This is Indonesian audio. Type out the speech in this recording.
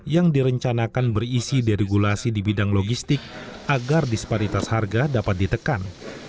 yang direncanakan berisi deregulasi di bidang logistik agar disparitas harga dapat ditekan